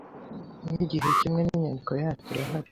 yigihe kimwe ninyandiko yacyo irahari